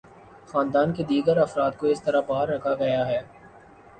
خاندان کے دیگر افراد کو اس طرح باہر رکھا گیا ہے۔